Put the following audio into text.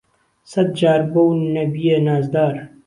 سەت جا ربەو نهبیه نازدار